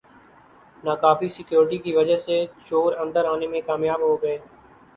ناکافی سیکورٹی کی وجہ سےچور اندر آنے میں کامیاب ہوگئے